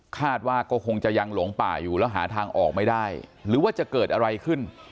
คาดว่าก็คงจะยังหลงป่าอยู่แล้วหาทางออกไม่ได้หรือว่าจะเกิดอะไรขึ้น